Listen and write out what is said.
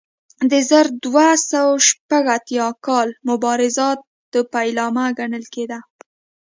د زر دوه سوه شپږ اتیا کال مبارزات پیلامه ګڼل کېده.